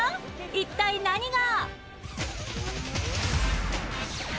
一体何が？